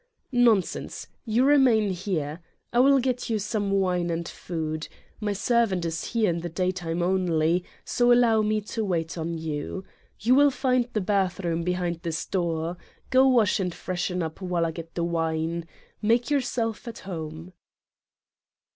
"Nonsense, you remain here. I will get you some wine and food. My servant is here in the daytime only, so allow me to wait on you. You will find the bathroom behind this door. Go wash and freshen up while I get the wine. Make your self at home."